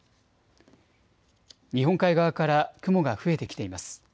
日本海側から雲が増えてきています。